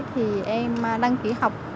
thì em đăng ký học